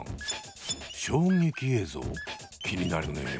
衝撃映像気になるね。